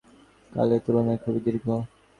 কিন্তু ঐ আবর্তন-কাল আমাদের কালের তুলনায় খুবই দীর্ঘ।